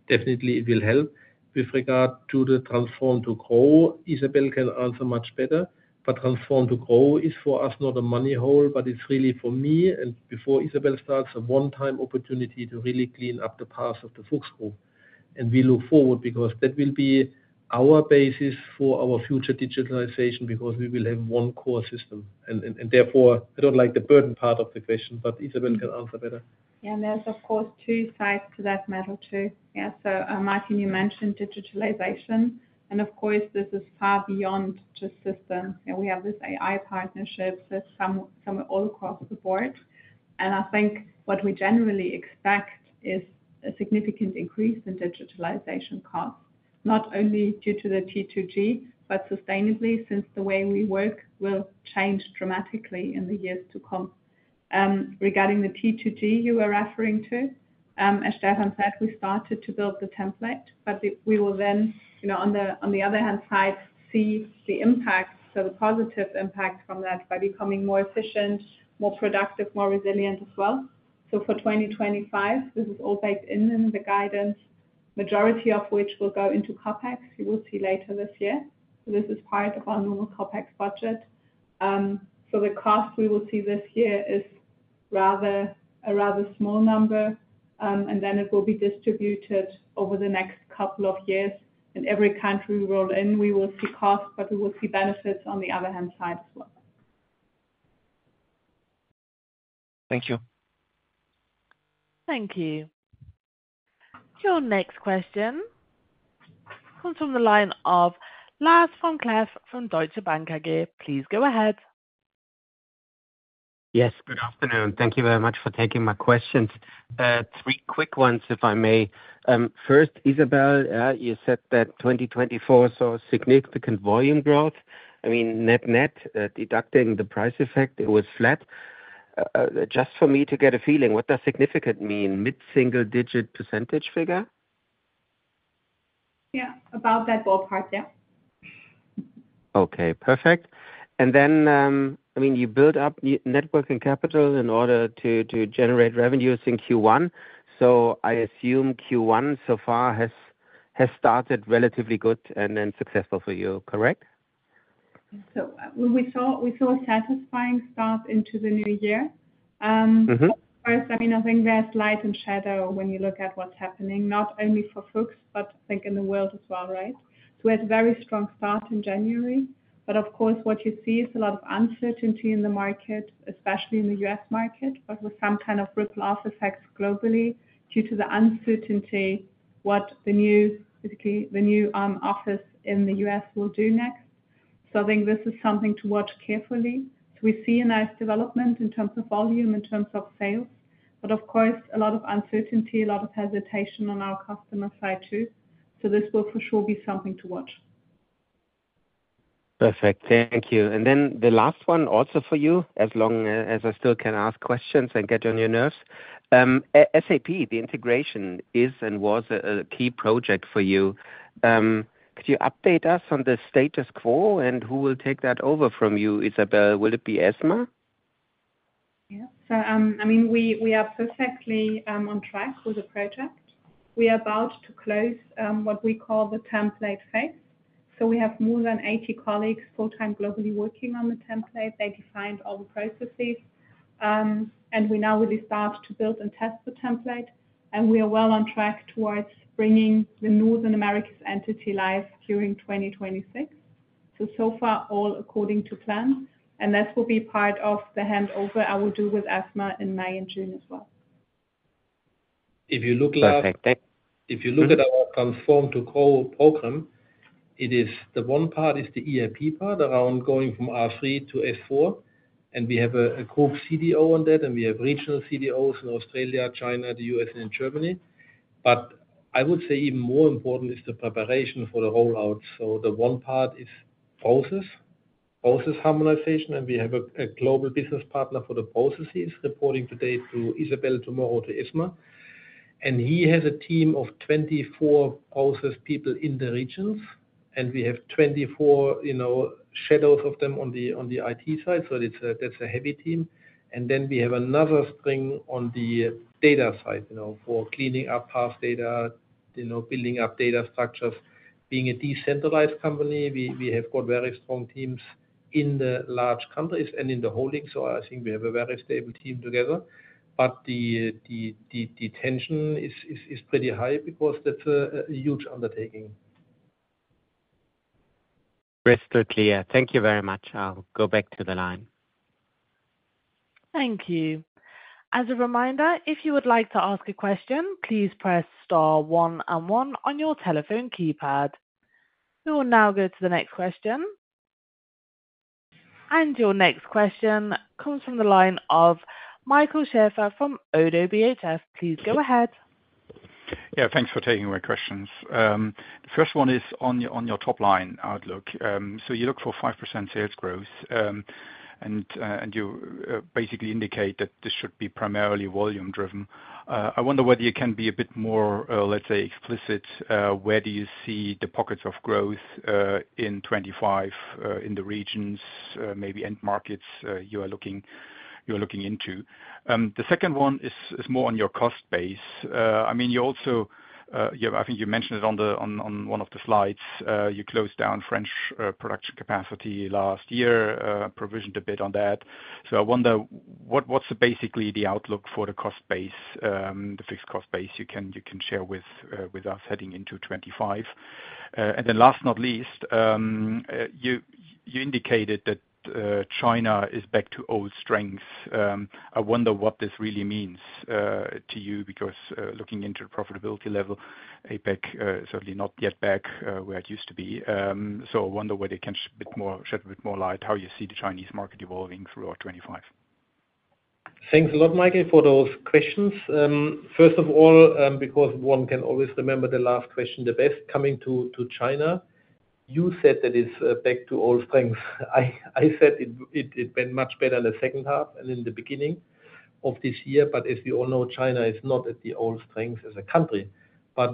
it will help with regard to the Transform to Grow. Isabelle can answer much better, but Transform to Grow is for us not a money hole, but it is really for me and before Isabelle starts a one-time opportunity to really clean up the past of the Fuchs Group. We look forward because that will be our basis for our future digitalization because we will have one core system. Therefore, I do not like the burden part of the question, but Isabelle can answer better. Yeah, and there is, of course, two sides to that medal too. Yeah, so Martin, you mentioned digitalization, and of course, this is far beyond just systems. We have this AI partnership that's somewhere all across the board. I think what we generally expect is a significant increase in digitalization costs, not only due to the T2G, but sustainably since the way we work will change dramatically in the years to come. Regarding the T2G you were referring to, as Stefan said, we started to build the template, but we will then, on the other hand side, see the impact, so the positive impact from that by becoming more efficient, more productive, more resilient as well. For 2025, this is all baked in in the guidance, majority of which will go into CapEx. You will see later this year. This is part of our normal CapEx budget. The cost we will see this year is a rather small number, and then it will be distributed over the next couple of years. Every country we roll in, we will see costs, but we will see benefits on the other hand side as well. Thank you. Thank you. Your next question comes from the line of Lars vom Cleff from Deutsche Bank AG. Please go ahead. Yes, good afternoon. Thank you very much for taking my questions. Three quick ones, if I may. First, Isabelle, you said that 2024 saw significant volume growth. I mean, net-net, deducting the price effect, it was flat. Just for me to get a feeling, what does significant mean? Mid-single-digit percentage figure? Yeah, about that ballpark, yeah. Okay, perfect. I mean, you built up net working capital in order to generate revenues in Q1. I assume Q1 so far has started relatively good and successful for you, correct? We saw a satisfying start into the new year. Of course, I mean, I think there's light and shadow when you look at what's happening, not only for Fuchs, but I think in the world as well, right? We had a very strong start in January. Of course, what you see is a lot of uncertainty in the market, especially in the U.S. market, with some kind of ripple artifacts globally due to the uncertainty what the new office in the U.S. will do next. I think this is something to watch carefully. We see a nice development in terms of volume, in terms of sales. Of course, a lot of uncertainty, a lot of hesitation on our customer side too. This will for sure be something to watch. Perfect. Thank you. The last one also for you, as long as I still can ask questions and get you on your nerves. SAP, the integration is and was a key project for you. Could you update us on the status quo and who will take that over from you, Isabelle? Will it be Esma? Yeah. I mean, we are perfectly on track with the project. We are about to close what we call the template phase. We have more than 80 colleagues full-time globally working on the template. They defined all the processes. We now really start to build and test the template. We are well on track towards bringing the Northern Americas entity live during 2026. So far, all according to plan. That will be part of the handover I will do with Esma in May and June as well. If you look at our Transform to Grow program, the one part is the ERP part around going from R3 to S4. We have a group CDO on that, and we have regional CDOs in Australia, China, the U.S., and Germany. I would say even more important is the preparation for the rollout. The one part is process, process harmonization, and we have a global business partner for the processes reporting today to Isabelle, tomorrow to Esma. He has a team of 24 process people in the regions. We have 24 shadows of them on the IT side, so that's a heavy team. We have another string on the data side for cleaning up past data, building up data structures. Being a decentralized company, we have got very strong teams in the large countries and in the holdings. I think we have a very stable team together. The tension is pretty high because that's a huge undertaking. Crystal clear. Thank you very much. I'll go back to the line. Thank you. As a reminder, if you would like to ask a question, please press star one and one on your telephone keypad. We will now go to the next question. Your next question comes from the line of Michael Schaefer from ODDO BHF. Please go ahead. Yeah, thanks for taking my questions. The first one is on your top line, Outlook. You look for 5% sales growth, and you basically indicate that this should be primarily volume-driven. I wonder whether you can be a bit more, let's say, explicit. Where do you see the pockets of growth in 2025 in the regions, maybe end markets you are looking into? The second one is more on your cost base. I mean, you also, I think you mentioned it on one of the slides, you closed down French production capacity last year, provisioned a bit on that. I wonder, what's basically the outlook for the cost base, the fixed cost base you can share with us heading into 2025? Last but not least, you indicated that China is back to old strengths. I wonder what this really means to you because looking into the profitability level, APEC is certainly not yet back where it used to be. I wonder whether you can shed a bit more light on how you see the Chinese market evolving throughout 2025. Thanks a lot, Michael, for those questions. First of all, because one can always remember the last question the best, coming to China, you said that it's back to old strengths. I said it went much better in the second half and in the beginning of this year, but as we all know, China is not at the old strength as a country.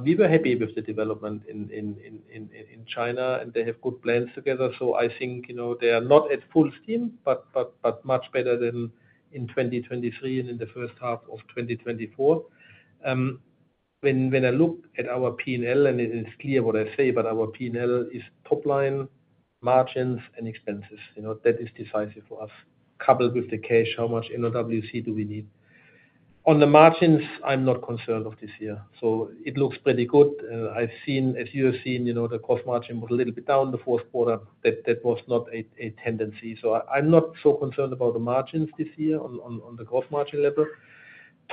We were happy with the development in China, and they have good plans together. I think they are not at full steam, but much better than in 2023 and in the first half of 2024. When I look at our P&L, and it's clear what I say, our P&L is top line, margins, and expenses. That is decisive for us, coupled with the cash, how much NOWC do we need. On the margins, I'm not concerned of this year. It looks pretty good. I've seen, as you have seen, the gross margin was a little bit down the fourth quarter. That was not a tendency. I'm not so concerned about the margins this year on the gross margin gross margin level.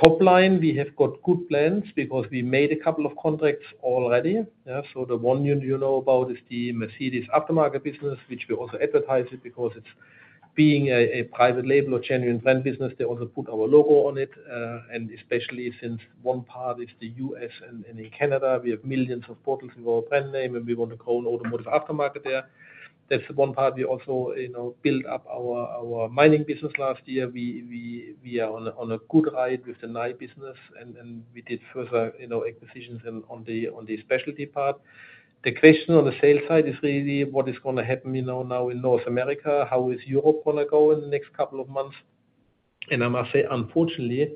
Top line, we have got good plans because we made a couple of contracts already. The one you know about is the Mercedes aftermarket business, which we also advertise because it's being a private label or genuine brand business. They also put our logo on it. Especially since one part is the U.S. and in Canada, we have millions of bottles in our brand name, and we want to grow an automotive aftermarket there. That's the one part. We also built up our mining business last year. We are on a good ride with the Nye business, and we did further acquisitions on the specialty part. The question on the sales side is really what is going to happen now in North America? How is Europe going to go in the next couple of months? I must say, unfortunately,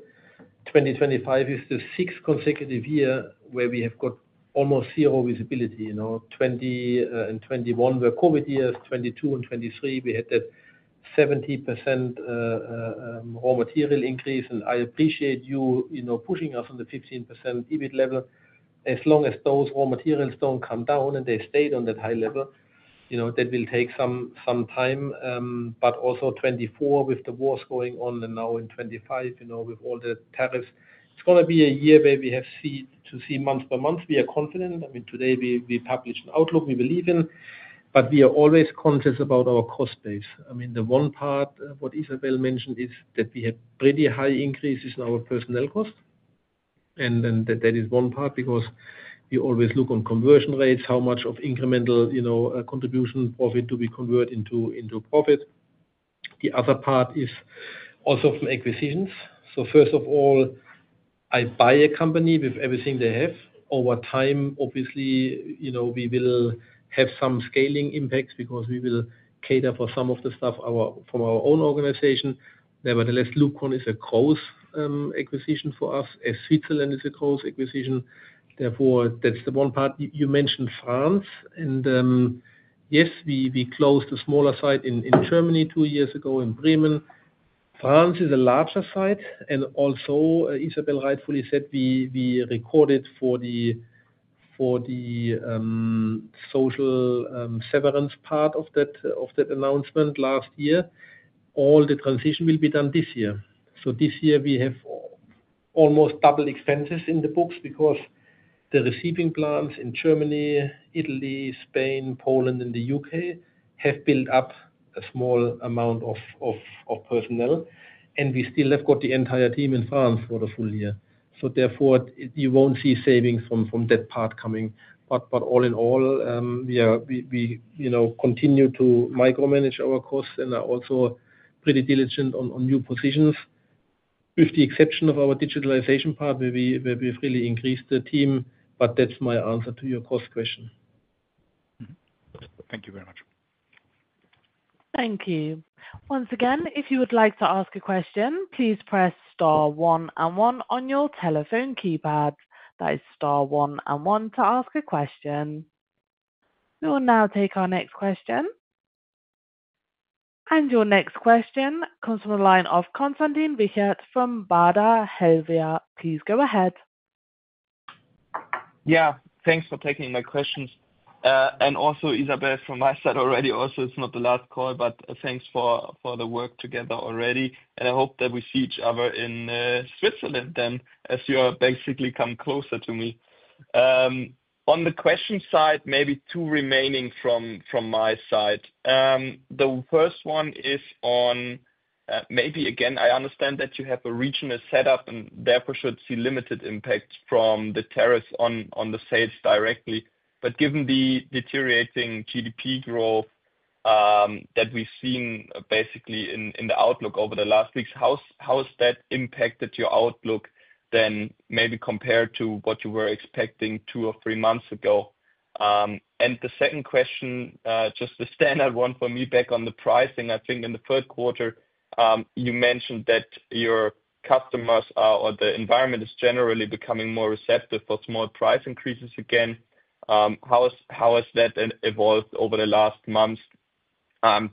2025 is the sixth consecutive year where we have got almost 0 visibility. 2021 were COVID years. 2022 and 2023, we had that 70% raw material increase. I appreciate you pushing us on the 15% EBIT level. As long as those raw materials do not come down and they stay on that high level, that will take some time. Also, 2024 with the wars going on and now in 2025 with all the tariffs. It is going to be a year where we have to see month by month. We are confident. I mean, today we published an outlook we believe in, but we are always conscious about our cost base. I mean, the one part what Isabelle mentioned is that we have pretty high increases in our personnel cost. That is one part because we always look on conversion rates, how much of incremental contribution profit do we convert into profit. The other part is also from acquisitions. First of all, I buy a company with everything they have. Over time, obviously, we will have some scaling impacts because we will cater for some of the stuff from our own organization. Nevertheless, LUBCON is a growth acquisition for us. Switzerland is a growth acquisition. Therefore, that's the one part. You mentioned France. Yes, we closed a smaller site in Germany two years ago in Bremen. France is a larger site. Also, Isabelle rightfully said, we recorded for the social severance part of that announcement last year. All the transition will be done this year. This year, we have almost double expenses in the books because the receiving plants in Germany, Italy, Spain, Poland, and the U.K. have built up a small amount of personnel. We still have got the entire team in France for the full year. Therefore, you will not see savings from that part coming. All in all, we continue to micromanage our costs and are also pretty diligent on new positions, with the exception of our digitalization part, where we have really increased the team. That is my answer to your cost question. Thank you very much. Thank you. Once again, if you would like to ask a question, please press star one and one on your telephone keypad. That is star one and one to ask a question. We will now take our next question. Your next question comes from the line of Konstantin Wiechert from Baader Helvea. Please go ahead. Yeah, thanks for taking my questions. Also, Isabelle, from my side already, also it's not the last call, but thanks for the work together already. I hope that we see each other in Switzerland then as you are basically coming closer to me. On the question side, maybe two remaining from my side. The first one is on maybe again, I understand that you have a regional setup and therefore should see limited impact from the tariffs on the sales directly. Given the deteriorating GDP growth that we've seen basically in the outlook over the last weeks, how has that impacted your outlook then maybe compared to what you were expecting two or three months ago? The second question, just the standard one for me back on the pricing, I think in the third quarter, you mentioned that your customers or the environment is generally becoming more receptive for small price increases again. How has that evolved over the last months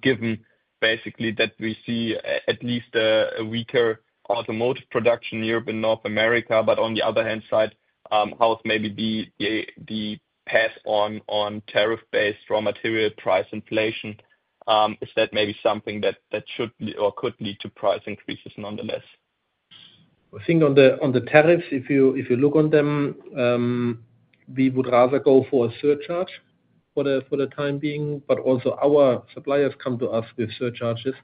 given basically that we see at least a weaker automotive production in Europe and North America? On the other hand side, how's maybe the pass on tariff-based raw material price inflation? Is that maybe something that should or could lead to price increases nonetheless? I think on the tariffs, if you look on them, we would rather go for a surcharge for the time being. Also our suppliers come to us with surcharges.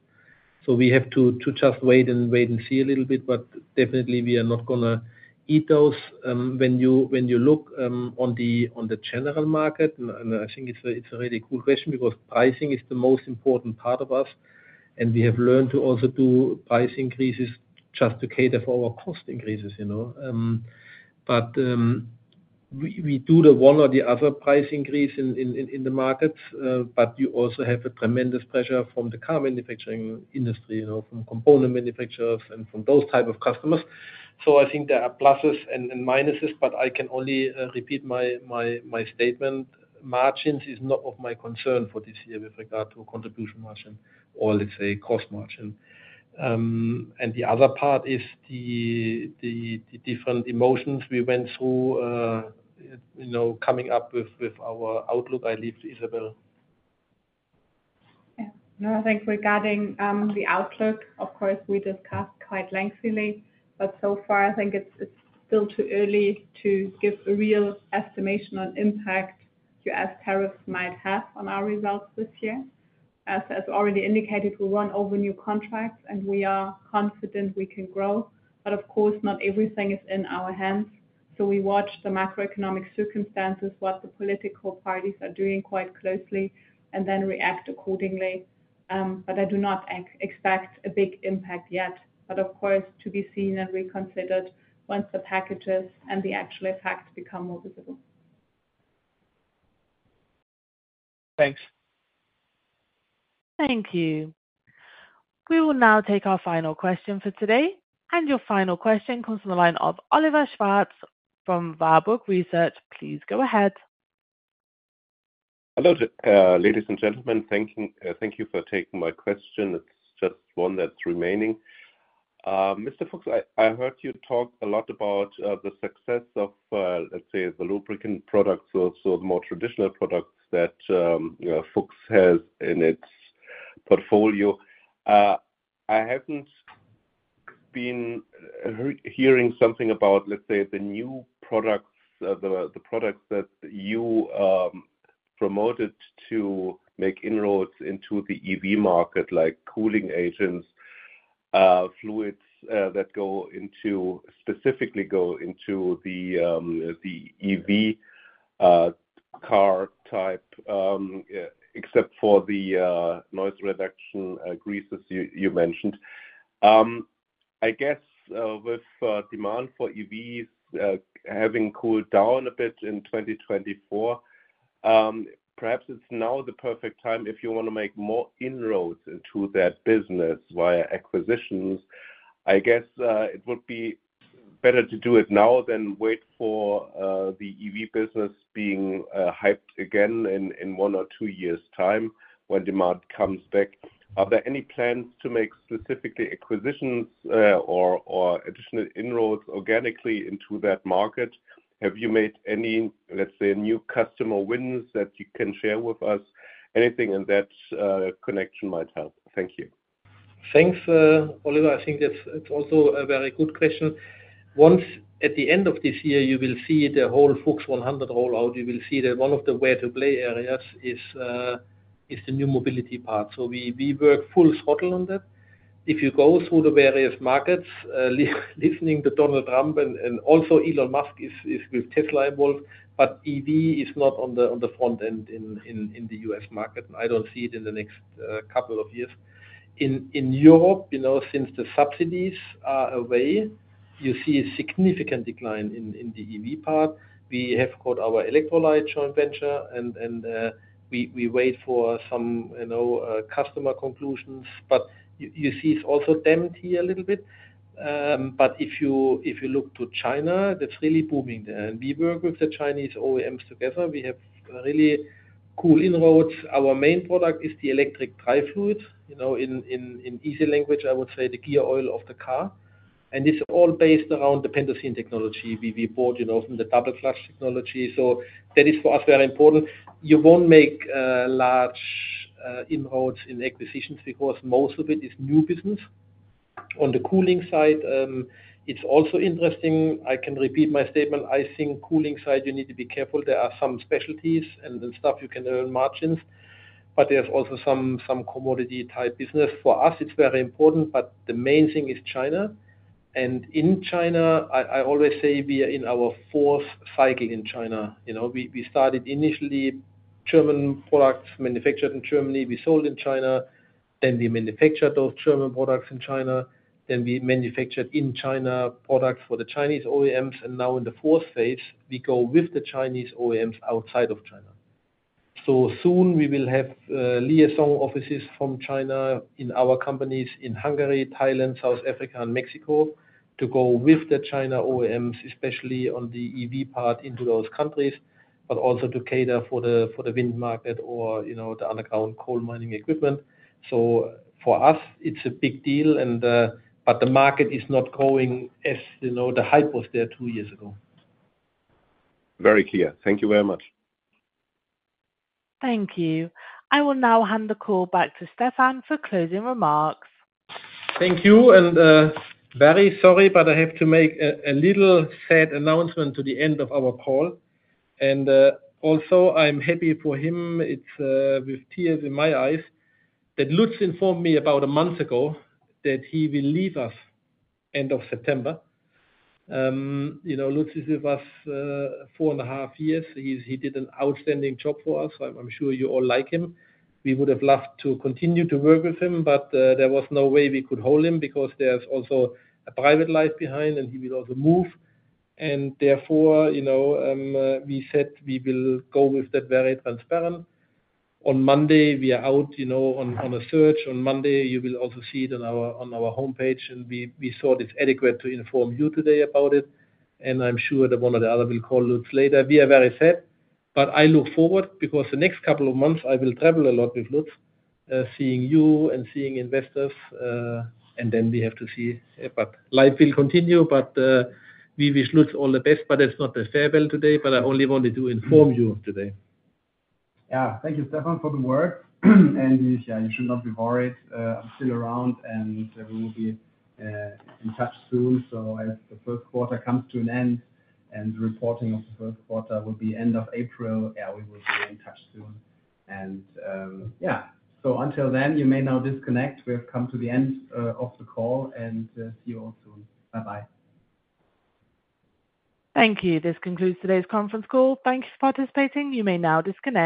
We have to just wait and see a little bit, but definitely we are not going to eat those. When you look on the general market, and I think it's a really cool question because pricing is the most important part of us. We have learned to also do price increases just to cater for our cost increases. We do the one or the other price increase in the markets, but you also have a tremendous pressure from the car manufacturing industry, from component manufacturers and from those type of customers. I think there are pluses and minuses, but I can only repeat my statement. Margins is not of my concern for this year with regard to contribution margin or, let's say, gross margin. The other part is the different emotions we went through coming up with our outlook. I leave to Isabelle. Yeah. No, I think regarding the outlook, of course, we discussed quite lengthily. So far, I think it's still too early to give a real estimation on impact U.S. tariffs might have on our results this year. As already indicated, we won over new contracts, and we are confident we can grow. Of course, not everything is in our hands. We watch the macroeconomic circumstances, what the political parties are doing quite closely, and then react accordingly. I do not expect a big impact yet. Of course, to be seen and reconsidered once the packages and the actual facts become more visible. Thanks. Thank you. We will now take our final question for today. Your final question comes from the line of Oliver Schwarz from Warburg Research. Please go ahead. Hello, ladies and gentlemen. Thank you for taking my question. It's just one that's remaining. Mr. Fuchs, I heard you talk a lot about the success of, let's say, the lubricant products, so the more traditional products that Fuchs has in its portfolio. I haven't been hearing something about, let's say, the new products, the products that you promoted to make inroads into the EV market, like cooling agents, fluids that specifically go into the EV car type, except for the noise reduction greases you mentioned. I guess with demand for EVs having cooled down a bit in 2024, perhaps it's now the perfect time if you want to make more inroads into that business via acquisitions. I guess it would be better to do it now than wait for the EV business being hyped again in one or two years' time when demand comes back. Are there any plans to make specifically acquisitions or additional inroads organically into that market? Have you made any, let's say, new customer wins that you can share with us? Anything in that connection might help. Thank you. Thanks, Oliver. I think that's also a very good question. Once at the end of this year, you will see the whole FuchsOne or FUCHS 2025 rollout. You will see that one of the where-to-play areas is the new mobility part. We work full throttle on that. If you go through the various markets, listening to Donald Trump and also Elon Musk is with Tesla involved, but EV is not on the front end in the U.S. market. I do not see it in the next couple of years. In Europe, since the subsidies are away, you see a significant decline in the EV part. We have got our E-Lyte joint venture, and we wait for some customer conclusions. You see it is also damped here a little bit. If you look to China, that's really booming there. We work with the Chinese OEMs together. We have really cool inroads. Our main product is the electric drive fluids. In easy language, I would say the gear oil of the car. It's all based around the Pentosin technology. We bought from the double-clutch technology. That is, for us, very important. You won't make large inroads in acquisitions because most of it is new business. On the cooling side, it's also interesting. I can repeat my statement. I think cooling side, you need to be careful. There are some specialties and stuff you can earn margins. But there's also some commodity-type business. For us, it's very important, but the main thing is China. In China, I always say we are in our fourth cycle in China. We started initially German products manufactured in Germany. We sold in China. Then we manufactured those German products in China. Then we manufactured in China products for the Chinese OEMs. Now in the fourth phase, we go with the Chinese OEMs outside of China. Soon, we will have liaison offices from China in our companies in Hungary, Thailand, South Africa, and Mexico to go with the China OEMs, especially on the EV part into those countries, but also to cater for the wind market or the underground coal mining equipment. For us, it is a big deal. The market is not growing as the hype was there two years ago. Very clear. Thank you very much. Thank you. I will now hand the call back to Stefan for closing remarks. Thank you. I am very sorry, but I have to make a little sad announcement to the end of our call. I am happy for him. It is with tears in my eyes that Lutz informed me about a month ago that he will leave us end of September. Lutz is with us four and a half years. He did an outstanding job for us. I am sure you all like him. We would have loved to continue to work with him, but there was no way we could hold him because there is also a private life behind, and he will also move. Therefore, we said we will go with that very transparent. On Monday, we are out on a search. On Monday, you will also see it on our homepage. We thought it is adequate to inform you today about it. I am sure that one or the other will call Lutz later. We are very sad, but I look forward because the next couple of months, I will travel a lot with Lutz, seeing you and seeing investors. We have to see. Life will continue. We wish Lutz all the best. It is not a farewell today, but I only wanted to inform you today. Thank you, Stefan, for the words. You should not be worried. I'm still around, and we will be in touch soon. As the first quarter comes to an end and the reporting of the first quarter will be end of April, we will be in touch soon. Until then, you may now disconnect. We have come to the end of the call, and see you all soon. Bye-bye. Thank you. This concludes today's conference call. Thank you for participating. You may now disconnect.